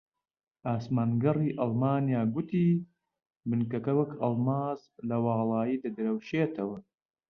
ئاسمانگەڕی ئەڵمانیا گوتی بنکەکە وەک ئەڵماس لە واڵایی دەدرەوشێتەوە